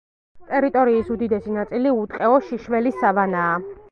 ტერიტორიის უდიდესი ნაწილი უტყეო, შიშველი სავანაა.